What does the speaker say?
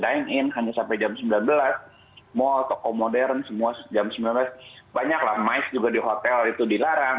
dine in hanya sampai jam sembilan belas mall toko modern semua jam sembilan belas banyaklah mice juga di hotel itu dilarang